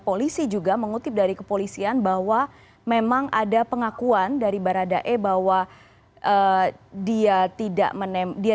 polisi juga mengutip dari kepolisian bahwa memang ada pengakuan dari baradae bahwa dia tidak menempel